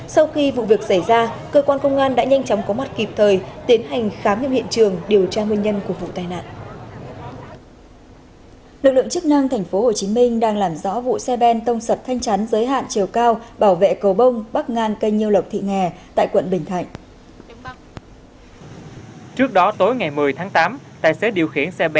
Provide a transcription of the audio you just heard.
sau khi vụ việc xảy ra cơ quan công an đã nhanh chóng có mắt kịp thời tiến hành khám nghiệm hiện trường điều tra nguyên nhân